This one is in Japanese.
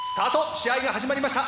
試合が始まりました。